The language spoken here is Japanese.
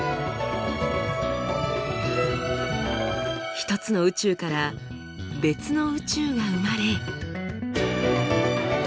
一つの宇宙から別の宇宙が生まれ。